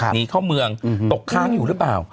หนีเข้าเมืองตกค้างอยู่หรือเปล่า